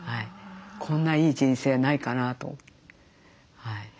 こんないい人生はないかなと。